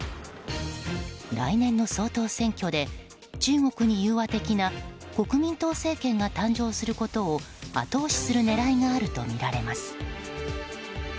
来年の総統選挙で中国に融和的な国民党政権が誕生することを後押しする狙いがあるとみられます。